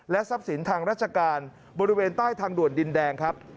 ทรัพย์สินทางราชการบริเวณใต้ทางด่วนดินแดงครับ